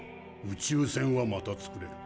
宇宙船はまた造れる。